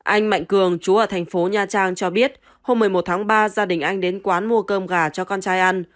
anh mạnh cường chú ở thành phố nha trang cho biết hôm một mươi một tháng ba gia đình anh đến quán mua cơm gà cho con trai ăn